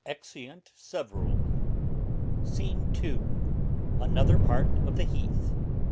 Exeunt [severally]. Scene II. Another part of the heath.